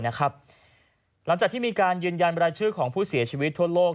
หลังจากที่มีการยืนยันบรายชื่อของผู้เสียชีวิตทั่วโลก